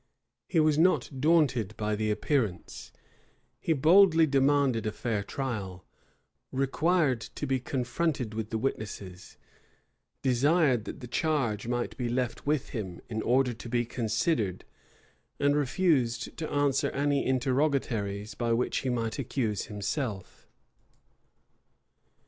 He was not daunted by the appearance: he boldly demanded a fair trial; required to be confronted with the witnesses; desired that the charge might be left with him, in order to be considered; and refused to answer any interrogatories by which he might accuse himself.